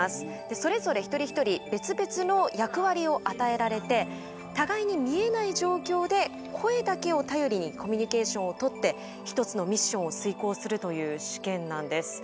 それぞれ一人一人別々の役割を与えられて互いに見えない状況で声だけを頼りにコミュニケーションをとって１つのミッションを遂行するという試験なんです。